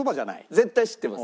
絶対知ってます。